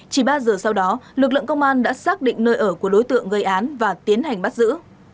chỉ ba giờ sau đó lực lượng công an đã xác định nơi ở của đối tượng gây án và tiến hành bắt giữ